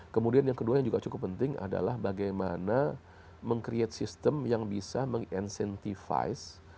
kemudian yang kedua yang juga cukup penting adalah bagaimana meng create system yang bisa meng incentifize